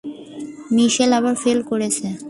মিশেল আবার ফেল করেছে?